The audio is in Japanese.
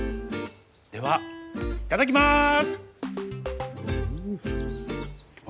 ではいただきます！